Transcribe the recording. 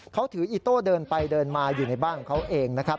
เขาถืออีโต้เดินไปเดินมาอยู่ในบ้านของเขาเองนะครับ